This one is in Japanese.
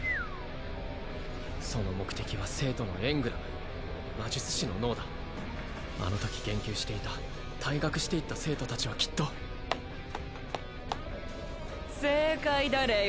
その目的は生徒のエングラム魔術師の脳だあのとき言及していた退学していった生徒達はきっと正解だレイ